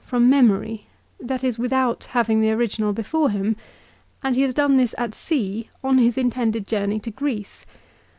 331 from memory, that is without having the original before him, and has done this at sea on his intended journey to Greece